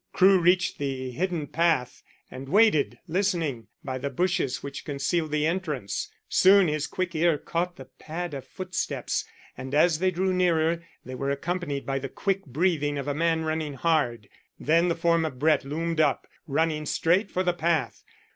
Crewe reached the hidden path, and waited, listening, by the bushes which concealed the entrance. Soon his quick ear caught the pad of footsteps, and as they drew nearer they were accompanied by the quick breathing of a man running hard. Then the form of Brett loomed up, running straight for the path.